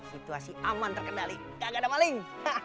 situasi aman terkendali gak ada maling